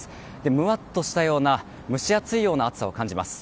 むわっとしたような蒸し暑いような暑さを感じます。